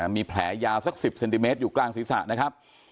มีแผลยาวสัก๑๐เซนติเมตรอยู่กลางศีรษะนะครับ